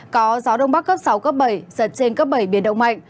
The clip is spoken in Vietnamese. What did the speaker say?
có gió đông bắc cấp sáu cấp bảy giật trên cấp bảy biển động mạnh